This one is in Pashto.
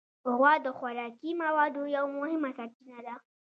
غوا د خوراکي موادو یو مهمه سرچینه ده.